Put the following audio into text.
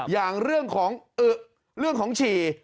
อย่างเรื่องของอึเรื่องของฉี่